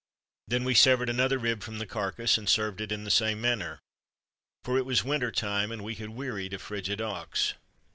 Then we severed another rib from the carcase, and served it in the same manner. For it was winter time and we had wearied of frigid ox.